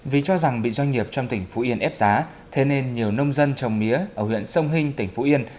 vì cho rằng bị doanh nghiệp trong tỉnh phú yên ép giá thế nên nhiều nông dân trồng mía ở huyện sông hinh tỉnh phú yên